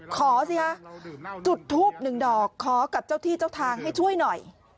ขอสิฮะจุดทูบหนึ่งดอกขอกับเจ้าที่เจ้าทางให้ช่วยหน่อย